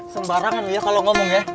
sembarangan ya kalau ngomong ya